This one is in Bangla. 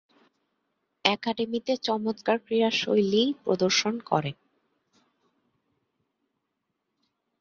একাডেমিতে চমৎকার ক্রীড়াশৈলী প্রদর্শন করেন।